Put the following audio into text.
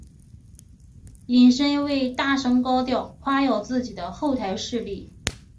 引申为大声高调夸耀自己的后台势力。